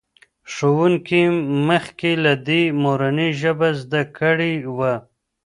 ښوونکي مخکې له دې مورنۍ ژبه زده کړې وه.